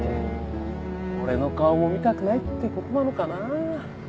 もう俺の顔も見たくないってことなのかな？